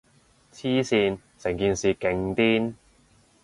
黐線，成件事勁癲